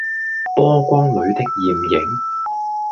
波光裡的艷影